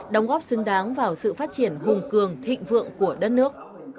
đóng góp xứng đáng vào sự phát triển hùng cường thịnh vượng của đất nước